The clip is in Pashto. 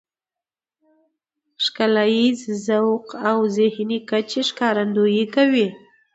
ښکلاييز ذوق او ذهني کچې ښکارندويي کوي .